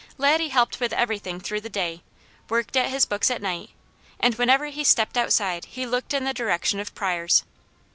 Laddie helped with everything through the day, worked at his books at night, and whenever he stepped outside he looked in the direction of Pryors'.